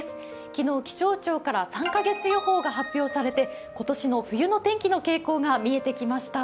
昨日、気象庁から３か月予報が発表されて、今年の冬の天気の傾向が見えてきました。